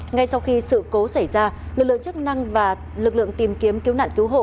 ngay sau khi sự cố xảy ra lực lượng chức năng và lực lượng tìm kiếm cứu nạn cứu hộ